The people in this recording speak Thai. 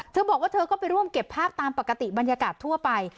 เธอบอกว่าเธอก็ไปร่วมเก็บภาพตามปกติบรรยากาศทั่วไป